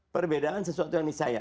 perbedaan sesuatu yang saya